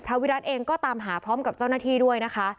วิรัติเองก็ตามหาพร้อมกับเจ้าหน้าที่ด้วยนะคะ